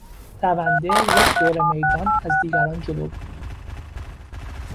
دونده یک دور میدان از دیگران جلو بود.